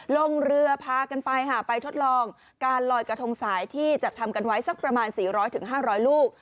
ลงเรือพากันไปค่ะไปทดลองการลอยกระทงสายที่จัดทำกันไว้สักประมาณ๔๐๐๕๐๐ลูก